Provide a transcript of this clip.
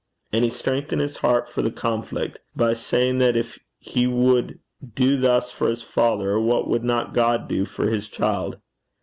And he strengthened his heart for the conflict by saying that if he would do thus for his father, what would not God do for his child?